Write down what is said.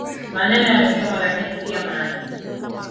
Maneno yamesemwa lakini si ya maana